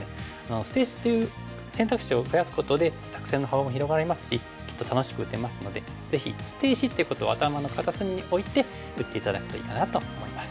捨て石っていう選択肢を増やすことで作戦の幅も広がりますしきっと楽しく打てますのでぜひ捨て石っていうことを頭の片隅に置いて打って頂くといいかなと思います。